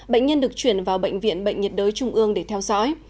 bệnh nhân được chuyển vào bệnh viện bệnh nhiệt đới trung ương để theo dõi